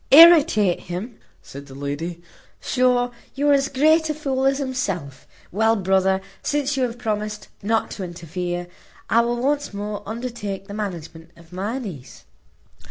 "Irritate him?" said the lady; "sure, you are as great a fool as himself. Well, brother, since you have promised not to interfere, I will once more undertake the management of my niece.